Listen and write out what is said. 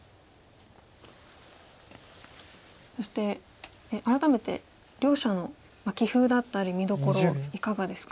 そして改めて両者の棋風だったり見どころいかがですか？